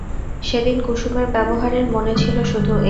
সেদিন কুসুমের ব্যবহারের মানে ছিল শুধু এই।